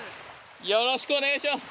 よろしくお願いします。